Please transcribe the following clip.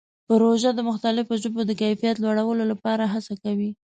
پروژه د مختلفو ژبو د کیفیت لوړولو لپاره هڅه کوي.